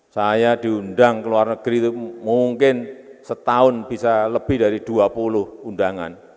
saya diundang ke luar negeri itu mungkin setahun bisa lebih dari dua puluh undangan